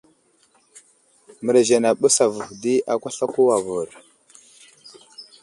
Mərez i məɓəs avuhw di akwaslako avər.